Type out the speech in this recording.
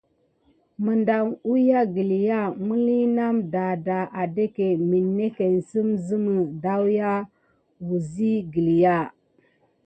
Medam wiya gəlya miliye name dadah adake minetken sim sime ɗaou wisi gəlya.